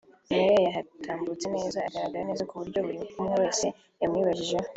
Miley yahatambutse neza agaragara neza ku buryo buri umwe wese yamwibajijeho